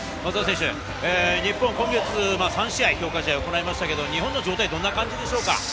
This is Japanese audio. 日本は今月３試合、強化試合を行いましたが、日本の状態は、どうでしょうか。